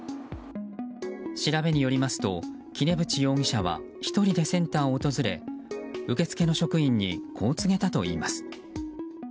調べによりますと杵渕容疑者は１人でセンターを訪れ受付の職員にこう告げたといいます。